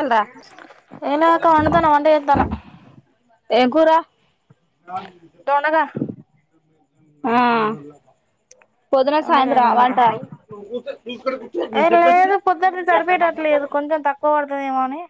Ullr. ఏలేక వండుతాను వంట చేస్తాను ఏంకురా. దొండగా ఆహ్. పొద్దున దొండకాయ సాయంత్రం దొండకాయ అవంటారు. ఇది కొంచం తక్కువర్తదేమో అని.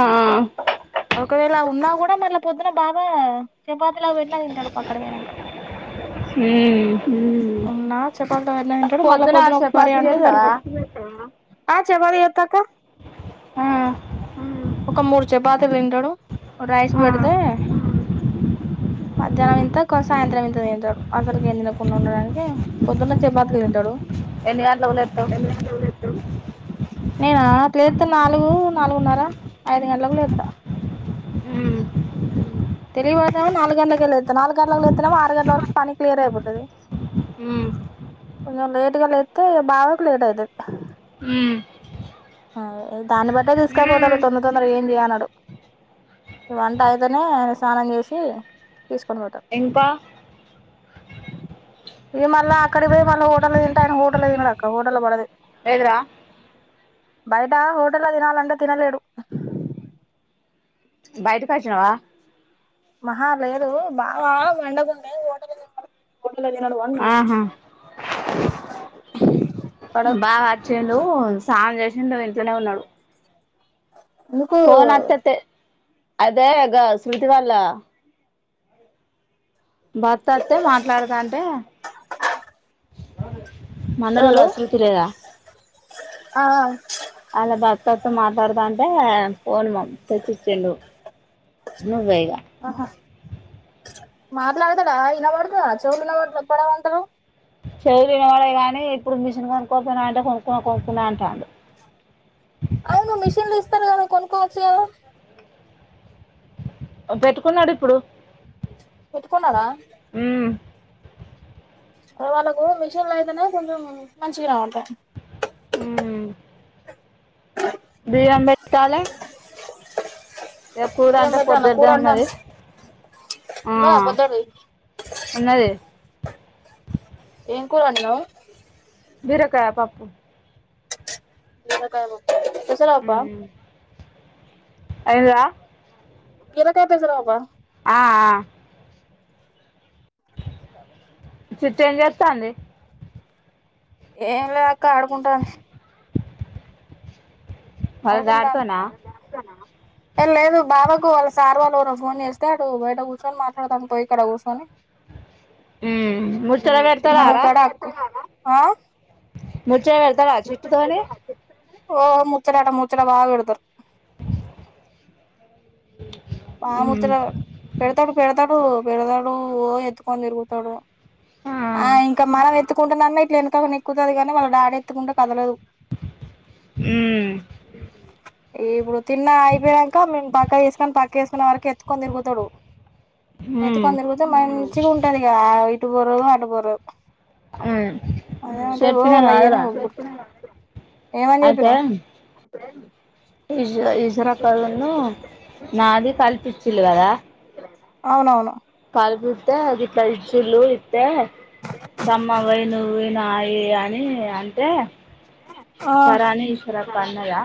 ఆహ్ ఆహ్. ఒకవేళ ఉన్నా గూడా మళ్ళా పొద్దున బాగా. చెపాతిలో పెట్టిన తింటాడు అక్కడ ఓయినంక. హ్మ్ అవునా చెపాతిలో పెట్టిన తింటాడు మళ్ళా పొద్దున ఒక కరీ చపాతి అంటాడు చేత్తవా సరిపోతది ఆహ్. చపాతి ఏతక్క ఆ ఒక మూడు చపాతిలు తింటాడు. రైస్ ఆ పెడితే మధ్యాహ్నం ఇంత కొ సాయంత్రం ఇంత తింటాడు అసలు. ఏం తినకుండా ఉండడానికే పొద్దున్న చపాతిలు తింటాడు. ఎన్ని గంటలకు లేత్తవ్ నేనా. లేత్త నాలుగు నాలుగున్నర ఐదు గంటలకు లేత్త. ఊమ్. తినిపోతడేమో నాలుగు గంటలకె లేత్త నాలుగు గంటలకు లేతేమో ఆరు గంటల వరకు పని క్లియర్ అయిపోతది. హ్మ్ నేను లేట్గా లేతే బావకు లేట్ ఐతది. ఆహ్ దాని బట్టే దీస్కపోతాడు తొందర తొందరేం చేయి అనడు. వంట అయితేనే స్నానం జేషి. తీస్కొనివొతడు. ఇంకా ఇగ మళ్ళా అక్కడికీ పోయి మళ్ళ హోటల్ తింట అని హోటల్ల తినడు అక్క హోటల్ల బడది. ఏదిరా. బయట హోటల్ల తినాలంటే తినలేడు. బయటికోచ్చినవా. ఆహ్ లేదు బావా వండుకుంటే హోటల్ల తింట. లలొ తినడు వన్. ఆహా పడదు బావ అచ్చిండు. స్నానం జేశిండొ ఇంట్లానే ఉండాడు. నీకు. అదే ఆగ శృతి వాల. భర్త వత్తే మాట్లాడుతుంటే. మండల్ ఎవలు రసూల్ పూరేగ ఆ వాళ్ల భర్తది. తను మాట్లాడతాంటే ఫోన్ మాట్. తెచ్చిచిండు నువ్వే ఇగ. మాట్లాడతాడా ఇనబడతదా చెవులు వినవడతలే అంటారు. చెవులినవడై గాని ఇప్పుడు మిషన్ కొనుక్కోపోనా అంటే కొనుక్కు కొనుక్కున్నా అంటాడు. అవును మిషన్లు ఇస్తారు కదా కొనుకోవచ్చు గద. ఆహ్ పెట్టుకున్నడు ఇప్పుడు. పెట్కుమనా. మ్మ్ వాళ్ళకు మిషన్లు అయితేనే కొంచెం మంచిగ అంటా. ఊమ్. బియ్యం పెట్టాలే. ఇగ కూర బియ్యం అంటే పెట్టాన కూర పొద్దుటిదే ఉన్నది వండన్. ఆ ఉంది కదా పొద్దడిది ఉన్నది ఏం. కూర వండినవ్. బీరకాయ పప్పు. పెసరపప్పా. మ్మ్ అయిందా ఇలకాయ తీసుర బా ఆ చిట్టి ఏం చెత్తాంది? ఏం లేదక్క ఆడుకుంటా వాళ్ళ ఆడుకుంటా డాడీతోనా ఏ లేదు బావకు వాళ్ళ సార్ వాళ్ళు ఎవరో ఫోన్ చేస్తే, అటు బయట కూచొని మాట్లాడతాండు పోయి కాడ కుసోని మ్మ్ ముచ్చట పెడతాడారా నాకడ హాక్ ఆ ముచ్చట్ పెడ్తాడ చిట్టి తోని ఓ ముచ్చటట ముచ్చట బా పెడతర్ ఆ మ్మ్ ముచ్చట పెడతడు పెడతడు పెడతడు ఓ ఎత్తుకొని తిరుగుతడు ఆ ఇంక మనం ఎత్తుకుంటున్నన్న ఇట్ల ఎనక నిక్కుతది కాని, వాళ్ళ డాడీ ఎత్తుకుంటే కదలదు. ఊ ఈ ఇప్పుడు తిన్నా అయిపోయాక మేం పక్క తీసుకొని, పక్క వేసుకునే వరకు ఎత్తుకొని తిరుగుతడు. హ్మ్ ఎత్తుకొని తిరిగితే మంచిగ ఉంటది ఇగా, ఇటు బొరవ్ అటు బొరవ్. హ్మ్ అదే అంటే ఓ చెప్పినా లేయను కాదురా ఏమని చెప్పినవ్? ఈశ్ ఈశ్వరక్కళ్లను నాది కల్పి ఇచ్చిళ్లు కదా అవునవును కల్పి ఇత్తే అది ఇట్ల ఇచ్చిళ్లు ఇత్తే సమ్మవై నువ్ ఉన్నాయి అని అంటే ఆ సరే అని ఇసరక్క అన్నదా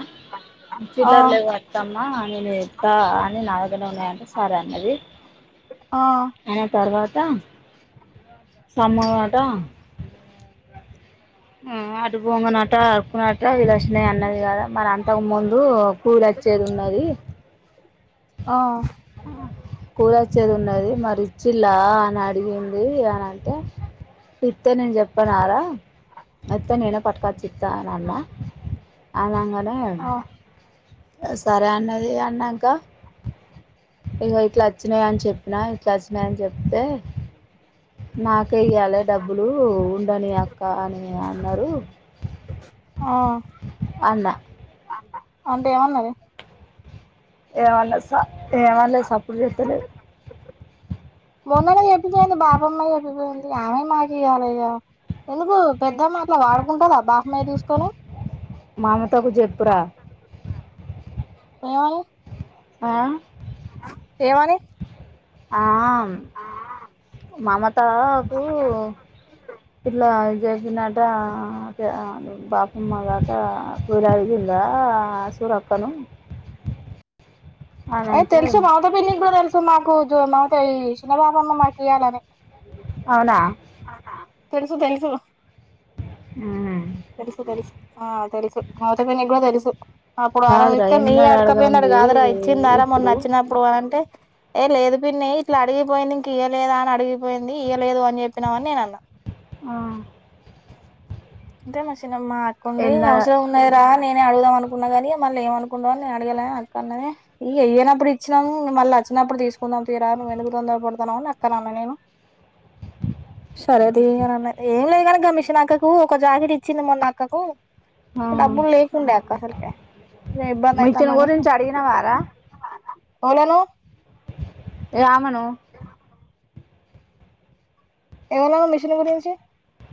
ఆ చిల్లర్లేదు అత్తమ్మ నేను ఇత్త అని, నా దగ్గరనే ఉన్నాయంటే సరే అన్నది. ఆ అని తర్వాత సమ్మగటా ఉ అటు పొంగనే అటా అడుకున్నట్ట వీళ్ళ షిన్ననది కదా మరంటవ్ ముందు కూల్ వచ్చేది ఉన్నది ఆ కూలి వచ్చేది ఉన్నది, మరి ఇచ్చిలా అని అడిగింది అనంటే ఇత్తే నేన్ చెప్పనారా వత్తే నేనే పట్టుకొచ్చి ఇత్తా అనన్నా లా ఆ సరే అన్నది అన్నంక ఇగ ఇట్ల అచ్చినాయ అని చెప్పినా, ఇట్ల అచ్చినాయని చెప్తే నాక్ కె ఇయ్యాలే డబ్బులు, ఉండని అక్క అని అన్నరు ఆ అన్న అంటే ఏమన్నది? ఏమన్లే స ఏమన్లే సప్పిడి చేత్తలే మొన్ననే చెప్పిపోయింది. బాబమ్మ చెప్పిపోయింది. అమే మాకియాల ఇగ. ఎందుకు పెద్దమ్మ అట్ల వాడుకుంటదా, బాహమే తీసుకోలే? మామతకు చెప్పురా ఏమని ఆ ఏమని ఆ మమత కు ఇట్లా చేసిందంట ఆ ఆ బాపమ్మ దాటా కూలి అడిగిందా సూరత్తను [inaudible] ఏ తెలుసు మమత పిన్ని కూడ తెలుసు, మాకు జో మాకై చిన్న బాబన్న మాకు ఇయ్యాలని. అవునా తెలుసు తెలుసు ఉమ్ తెలుసు తెలుసు ఆ తెలుసు మమత పిన్నికి కూడా తెలుసు అప్పుడు అర కాదురా లీటర్ నెయ్యి ఎన్నడు అడుక్క పోయిందట అడగంది కాదురా ఇచ్చిందార మొన్న ఇప్పుడు వచ్చినప్పుడు అంటే ఏ లేదు పిన్ని ఇట్లా అడిగిపోయింది. ఇంక ఇయ్యా లేదా అని అడిగిపోయింది. ఇయ్యలేదు అని చెప్పినామని నేను అన్నా ఉమ్ అంతే మా చిన్నమ్మ అక్క ఉండి ఎన్నడ అవసరం ఉన్నాయరా నేను నేను అడుగుదాం అనుకున్నా కాని మళ్ళీ ఏమ అనుకుంటదో నే అడగలే అక్క అన్నది ఇ ఎయ్యనప్పుడు ఇచ్చినాము మల్ల వచ్చి నప్పుడు తీసుకుందాం తీరా నువు ఎందుకు తొందర పడుతున్నావ్ అని అక్కని అన్నా నేను సరే తీ ఇగ నన్న ఏం లేదు కాని ఆ మిషన్ అక్క కు ఒక జాకెట్ ఇచ్చింది మొన్న అక్కకు ఆ. డబ్బులు లేకుండే అక్క అసలికే ఇబ్బంది మిషన్ అయితాందని గురించి అడిగినవారా వోళ్లను రామను ఏమన్నావ్ మిషన్ గురించి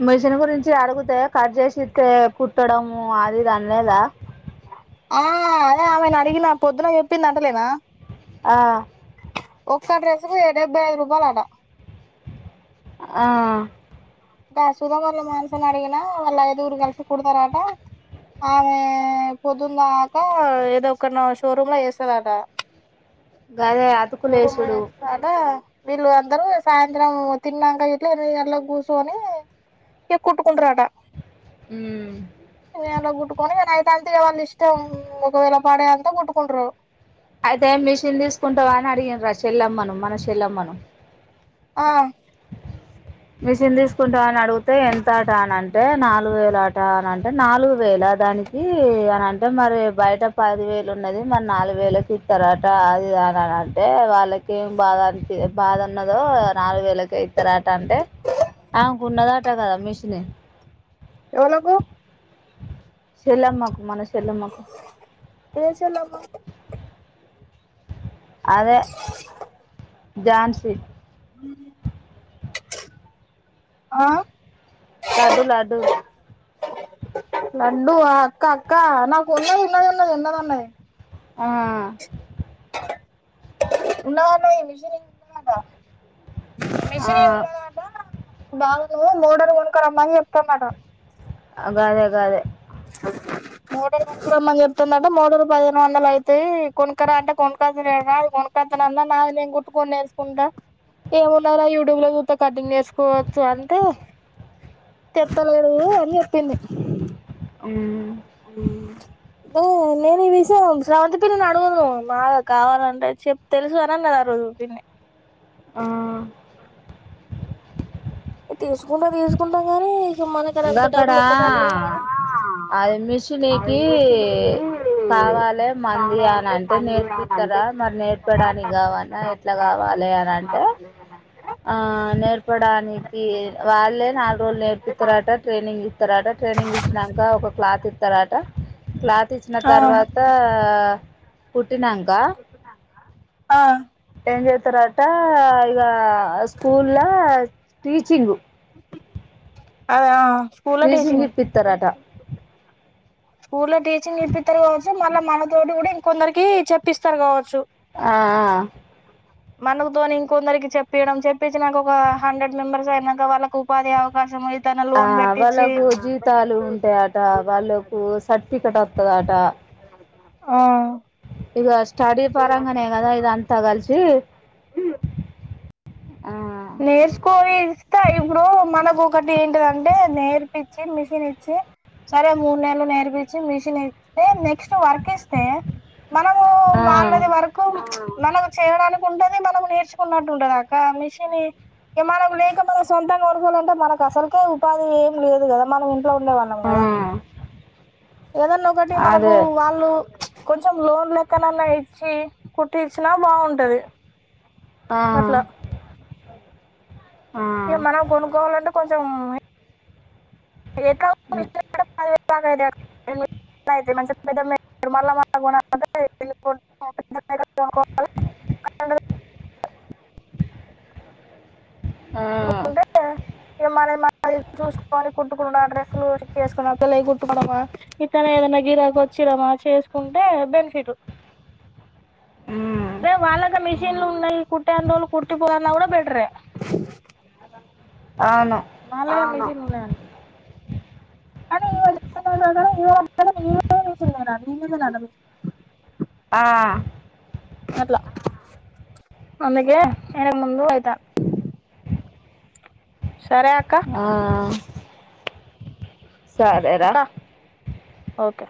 మిషన్ గురించి అడుగుతే కట్ చేసిస్తే కుట్టడము అది ఇది అనలేదా ఆ అదే ఆమెను అడిగిన పొద్దున చెప్పింది అంటలేనా ఆ ఒక్క డ్రెస్సు కు డెబ్బై ఐదు రూపాయలు అట ఆ దా సుదా వాళ్ళ మానసని అడిగినా వాళ్ళ ఐదుగురు కలిసి కుడతారట ఆమె పొద్దుందాక ఏదో ఒక న షోరూమ్ లో చేస్తదట గదే షో రూమ్ లో అతుకులేసుడు చేస్తాదట వీళ్ళు అందరు సాయంత్రం తిన్నాక ఇట్ల ఎనిమిది గంటలకి కూస్ ర్చొని ఇగ కుట్టుకుంటారట ఉమ్. ఎనిమిది గంటలకి కుట్టుకొని ఇగ నైట్ అంతే వాళ్ళు ఇష్టం ఒకవేళ పడే అంతా కొట్టుకుంటారు. అయితే మిషన్ తీసుకుంటావా అని అడిగిన్ రా చెల్లమ్మను మన చెల్లమ్మను ఆ మిషన్ తీసుకుంటావా అని అడిగితే ఎంతట అని అంటే నా లుగు వేల అట అంటే నాలుగు వేల దానికి అనంటే మరి బయట పదివేలు ఉన్నది మరి నాలుగు వేళ్లకి ఇస్తారట అదిదని అని అంటే వాళ్ళకేం బాధ ఏం బాధ ఉన్న దో నాలుగు వేలకే ఇత్తరట అంటే ఆమేకి ఉన్నదట కదా మిషని ఎవలకు చెల్లెమ్మకు మన చెల్లమ్మకు ఏ చెల్లెమ్మ అదే జాన్సీ ఆ లడ్డు లడ్డు లడ్డు ఆ అక్క అక్క నాకు ఉన్నది ఉన్నది ఉన్నది ఉన్నది అన్నది ఆ ఉన్నవన్నీ మీషిని కుడతానవా ఆ, మిషని ఉన్నదట బావ ను మోటర్ కొనుక్కరమ్మను చెప్ ఆ గదే గదే [inaudible] మోటర్ కొనుక్కరమ్మని చెప్తుందంట మోటర్ పదిహేను వందలు అయితాయి కొనుక్కరా అంటే కొనుక్కచుడేన కొన్నుక్క అత్తేనన్న నాది నేను కుట్టుకొని నేర్చుకుంట ఏమున్నది రా యూట్యూబ్ లో చూత్తే కటింగ్ నేర్చుకోవచ్చు అంటే తెత్తలేడు అని చెప్పింది ఉమ్ ఉమ్ దో నేను ఈ విషయం స్రవంతి పిన్నిని అడుగుదును నా కావాలంటే చెప్ తెలుసు అనన్నది ఆరో జు పిన్ని ఆ ఇగ తీసుకుంట తీసుకుంటాం గానీ ఇక మనకడ ఇంకా అంత అక్కడ డబ్బులు ఒక్కసారి లేవు కదా అది మిషనీకి కావాలే మంది అని అంటే నేర్పిత్తారా మరి నేర్పడానికి కావన్న ఎట్లా కావాలే అని అంటే ఆ నేర్పడానికి వాళ్ళే నాలుగు రోజులు నే తర్వాత ట్రైనింగ్ ఇస్తారట ట్రైనింగ్ ఇచ్చినంక ఒక క్లాత్ ఇస్తారట క్లాత్ ఇచ్చిన ఆ తర్వాత కుట్టినంకా ఆ ఏం చేత్తారట ఇగ స్కూల్లా టీచింగు ఆ స్కూల్లో టీచింగ్ స్కూల్లో టీచింగ్ నేర్పిత్తారు కావచ్చు మళ్ళ మనతోటి కూడా ఇంకొందరికి చెప్పిస్తారు కావ ఆ... మనకు తోని ఇంకొందరికి చెప్పియడం చెప్పించినంకా ఒక హండ్రెడ్ మెంబర్స్ అయినంక వాళ్ళకి ఉపాధి అవకాశం ఏదైనా ఆ లోన్ పెట్టించి వాళ్లకు జీతాలు ఉంటాయట వాళ్లు కు సర్టిఫికెట్ అత్తదంట ఆ ఇగ స్టడీ పరంగానే కదా ఇదంతా కలిపి నేర్స్‌కొని ఇస్తే ఇప్పుడు మన కు ఒకటి ఏంటిదంటే నేర్పిచ్చి మిషిన్ ఇచ్చి సరే మూడునెలు నేర్పిచి మిషన్ ఇస్తే నెక్స్ట్ వర్క్ ఇస్తే మనము ఆ వాళ్లది వర్కు మనము చేయడానికి ఉంటది మనము నేర్చుకున్నట్టు ఉంటది అక్క మిష ని మనం లేకపోతే సొంతంగా కొనుక్కోవాలంటే మనకు అసలుకే ఉపాధి ఏం లేదు కదా మనం ఇంట్లో ఉండేవాళ్ళం ఆ కదా ఏదన్నా ఒకటి మనకు అదే వాళ్ళు కొంచెం లోన్ లెక్కనన్నా ఇచ్చి కుట్టి ఇచ్చినా బాగుంటది ఆ అట్లా ఆ ఇక మనం కొనుక్కోవాలంటే కొంచెం [inaudible] [unintelligible] ఆ [unintelligible] కుండా డ్రస్లు చెక్ చేసుకుని ఒకవేళ అయి కుట్టుకోడమా ఇత ఏదైనా గిరాకీ వచ్చిడమా చేసుకుంటే బెన్ఫిట్ మ్మ్ పే వాళ్ళక్క మిషన్లు ఉన్నాయి కు ట్టే అన్ని రోజులు కుట్టిపోదు అన్నకూడా బెటరే అవును అవును [unintelligible] [unintelligible] ఆ అట్లా అందుకే నేనే ముందు పోతా సరే అ ఆ సరేరా అక్క ఓకే